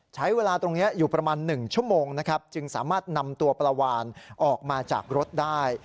ใช้เวลาตรงนี้อยู่ประมาณ๑ชั่วโมงนะครับจึงสามารถนำตัวปลาวานออกมาจากรถได้